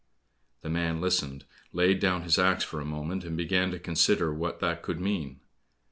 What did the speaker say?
The man listened, laid down his axe for a moment, and began to consider what that could mean.